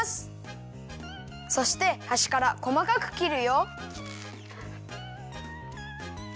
そしてはしからこまかくきるよ。